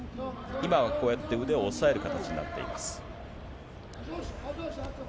今はこうやって腕を抑える形になっています。